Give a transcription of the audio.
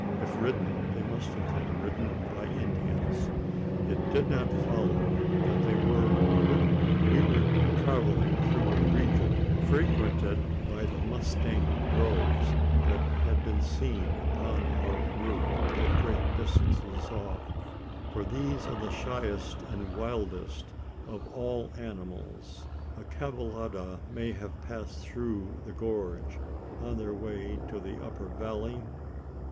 If ridden, they must have been ridden by Indians? It did not follow that they were ridden. We were travelling through a region frequented by the mustang. Droves had been seen upon our route, at great distances off: for these are the shyest and wildest of all animals. A caballada may have passed through the gorge, on their way to the upper valley?